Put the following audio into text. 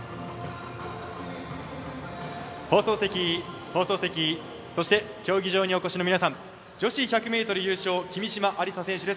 放送席、放送席そして競技場にお越しの皆さん女子１００ｍ優勝君嶋愛梨沙選手です。